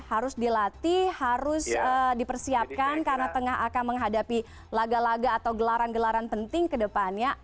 harus dilatih harus dipersiapkan karena tengah akan menghadapi laga laga atau gelaran gelaran penting ke depannya